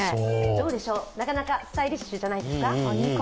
どうでしょう、なかなかスタイリッシュじゃないですか？